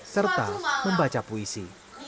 serta membaca puisi